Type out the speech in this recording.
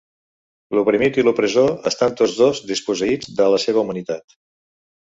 L'oprimit i l'opressor estan tots dos desposseïts de la seva humanitat.